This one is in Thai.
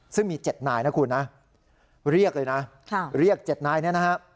ซึ่งมี๗นายนะคุณนะเรียกเลยนะเรียก๗นายเนี่ยนะฮะ